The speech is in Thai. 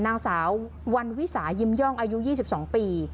นางสาววันวิสายิมย่องอายุ๒๒ปี